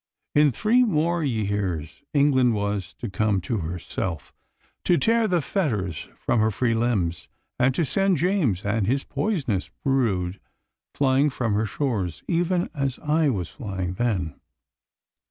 In three more years England was to come to herself, to tear the fetters from her free limbs, and to send James and his poisonous brood flying from her shores even as I was flying then.